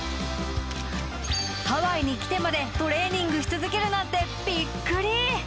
ハワイに来てまでトレーニングし続けるなんてビックリ！